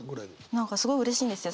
何かすごいうれしいんですよ。